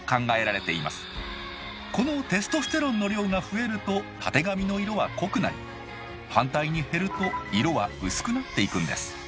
このテストステロンの量が増えるとたてがみの色は濃くなり反対に減ると色は薄くなっていくんです。